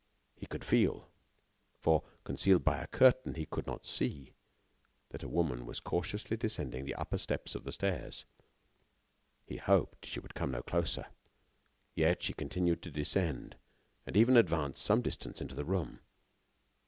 He could feel for, concealed by a curtain, he could not see that a woman was cautiously descending the upper steps of the stairs. He hoped she would come no closer. Yet, she continued to descend, and even advanced some distance into the room.